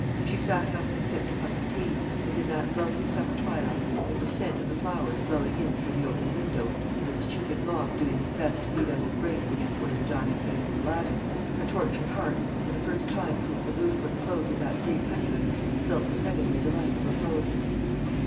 She sat up and sipped a cup of tea; and in that lovely summer twilight, with the scent of the flowers blowing in through the open window, and a stupid moth doing his best to beat out his brains against one of the diamond panes in the lattice, the tortured heart, for the first time since the ruthless close of that brief honeymoon, felt the heavenly delight of repose.